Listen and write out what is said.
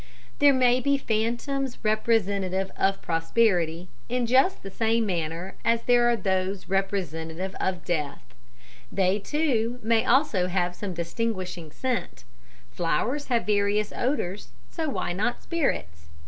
"There may be phantoms representative of prosperity, in just the same manner as there are those representative of death; they, too, may also have some distinguishing scent (flowers have various odours, so why not spirits?)